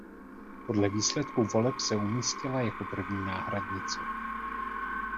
Podle výsledků voleb se umístila jako první náhradnice.